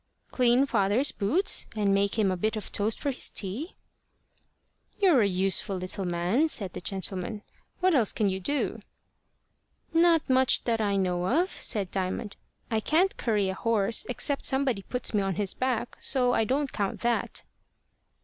"Clean father's boots, and make him a bit of toast for his tea." "You're a useful little man," said the gentleman. "What else can you do?" "Not much that I know of," said Diamond. "I can't curry a horse, except somebody puts me on his back. So I don't count that."